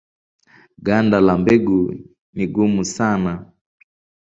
Ganda la mbegu ni gumu sana.